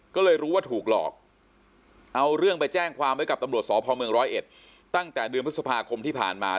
ก็เลยรู้ว่าถูกหลอกเอาเรื่องไปแจ้งความไว้กับตำรวจสพเมืองร้อยเอ็ดตั้งแต่เดือนพฤษภาคมที่ผ่านมา